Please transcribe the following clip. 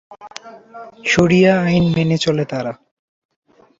শরিয়া আইন মেনে চলে তারা।।